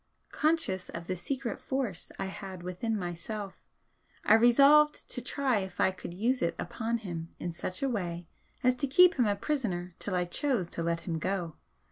Conscious of the secret force I had within myself I resolved to try if I could use it upon him in such a way as to keep him a prisoner till I chose to let him go.